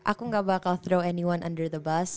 aku enggak bakal menyerah orang di bawah bus